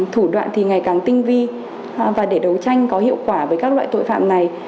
thủ đoạn thì ngày càng tinh vi và để đấu tranh có hiệu quả với các loại tội phạm này